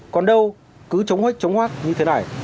còn đâu cứ chống huyết chống hoác như thế này